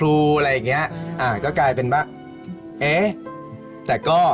ลูกขาดแม่